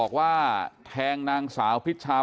กลุ่มตัวเชียงใหม่